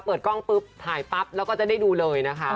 เปิดกล้องปุ๊บถ่ายปั๊บแล้วก็จะได้ดูเลยนะคะ